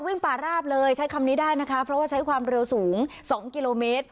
ป่าราบเลยใช้คำนี้ได้นะคะเพราะว่าใช้ความเร็วสูง๒กิโลเมตร